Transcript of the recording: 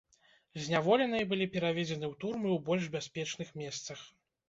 Зняволеныя былі пераведзены ў турмы ў больш бяспечных месцах.